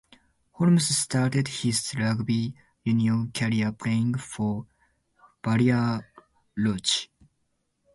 Holms started his rugby union career playing for Blair Lodge.